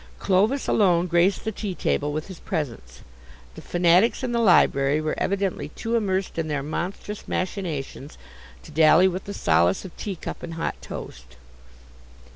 Clovis alone graced the tea table with his presence; the fanatics in the library were evidently too immersed in their monstrous machinations to dally with the solace of teacup and hot toast.